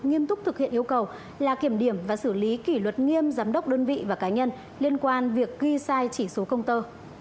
nghiêm túc thực hiện yêu cầu là kiểm điểm và xử lý kỷ luật nghiêm giám đốc đơn vị và cá nhân liên quan việc ghi sai chỉ số công tơ